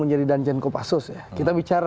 menjadi danjen kopassus ya kita bicara